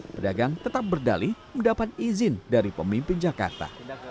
pedagang tetap berdali mendapat izin dari pemimpin jakarta